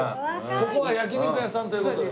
ここは焼肉屋さんという事で。